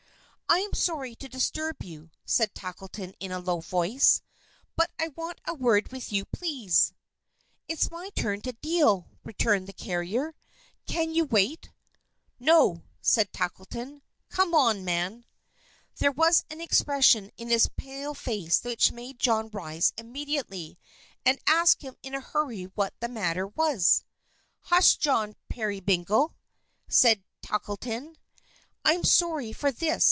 "I am sorry to disturb you," said Tackleton in a low voice, "but I want a word with you, please." "It's my turn to deal," returned the carrier. "Can you wait?" "No," said Tackleton. "Come on, man." There was an expression in his pale face which made John rise immediately, and ask him in a hurry what the matter was. "Hush, John Peerybingle," said Tackleton. "I am sorry for this.